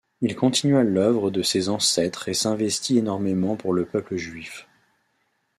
Il continua l’œuvre de ses ancêtres et s’investit énormément pour le peuple juif.